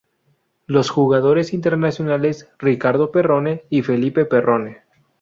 Los jugadores internacionales Ricardo Perrone y Felipe Perrone.